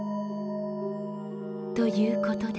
ということで。